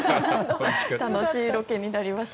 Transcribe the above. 楽しいロケになりました。